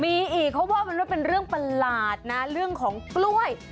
มีอีกเขาว่ามันว่าเป็นเรื่องประหลาดนะเรื่องของกล้วย